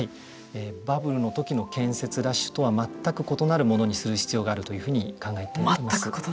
バブルのときの建設ラッシュとは全く異なるものにする必要があるというふうに考えています。